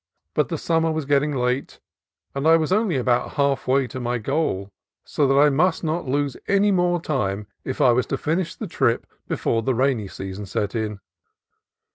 But the summer was getting late and I was only about halfway to my goal, so that I must not lose more time if I was to finish the trip before the rainy season set in.